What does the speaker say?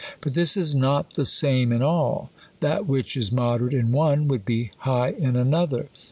But this is not the same in all ;, that which is moderate in one would be high in another.